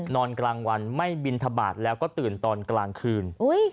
นอนกลางวันไม่บินทบาทแล้วก็ตื่นตอนกลางคืน